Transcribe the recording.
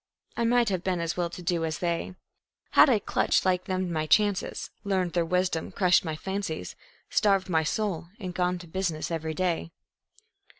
I might have been as well to do as they Had I clutched like them my chances, learned their wisdom, crushed my fancies, Starved my soul and gone to business every day.